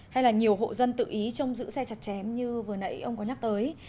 hay là nhiều hộ dân tự ý trông giữ xe chặt chém như vừa nãy ông có nhắc tới